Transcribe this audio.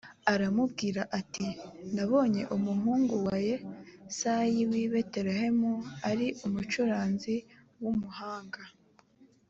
aramubwira ati nabonye umuhungu wa yesayi w i betelehemu ari umucuranzi w umuhanga .